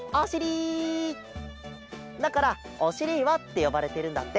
だからおしりいわってよばれてるんだって。